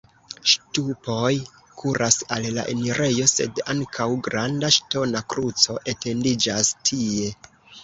Ŝtupoj kuras al la enirejo, sed ankaŭ granda ŝtona kruco etendiĝas tie.